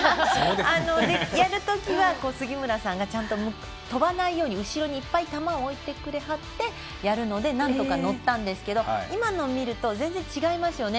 やるときは、杉村さんがちゃんと飛ばないように後ろにいっぱい球を置いてくださってやるのでなんとか乗ったんですけど今の見ると、全然違いますね。